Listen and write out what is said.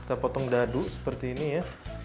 kita potong dadu seperti ini ya